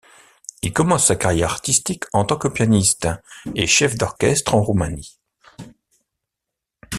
Il commence sa carrière artistique en tant que pianiste et chef d'orchestre en Roumanie.